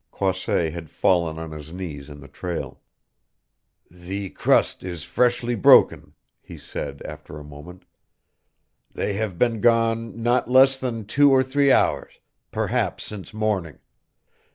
Croisset had fallen on his knees in the trail. "The crust is freshly broken," he said after a moment. "They have been gone not less than two or three hours, perhaps since morning.